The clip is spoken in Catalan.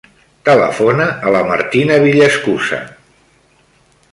Telefona a la Martina Villaescusa.